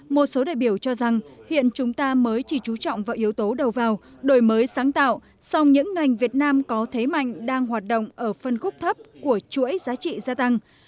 một số đại biểu cho rằng hiện chúng ta mới chỉ trú trọng vào yếu tố đầu vào đổi mới sáng tạo song những ngành việt nam có thế mạnh đang hoạt động ở phân khúc thấp của chuỗi giá trị gia tăng